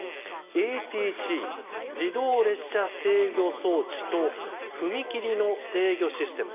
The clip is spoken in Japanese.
ＡＴＣ・自動列車制御装置と踏切の制御システム。